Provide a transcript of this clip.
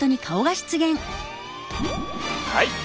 はい！